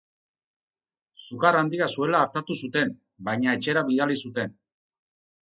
Sukar handia zuela artatu zuten, baina etxera bidali zuten.